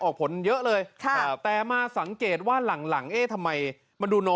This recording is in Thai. ออกผลเยอะเลยครับแต่มาสังเกตว่าหลังหลังเอ๊ะทำไมมันดูน้อย